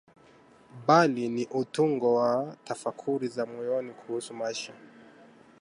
bali ni utungo wa tafakuri za moyoni kuhusu maisha